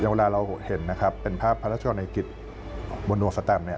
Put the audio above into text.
เวลาเราเห็นนะครับเป็นภาพพระราชวรรณกิจบนดวงสแตมเนี่ย